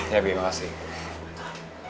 ya bi makasih